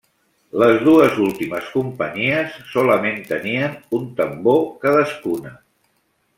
Les dues últimes companyies solament tenien un tambor cadascuna.